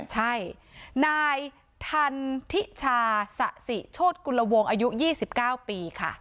ใช่นายทันทิชาสะสิโชธกุลวงอายุ๒๙ปีค่ะ